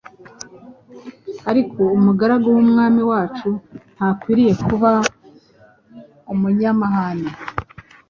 Ariko umugaragu w’Umwami wacu ntakwiriye kuba umunyamahane,